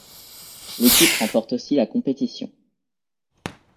L'équipe remporte aussi la compétition.